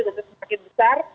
dan semakin besar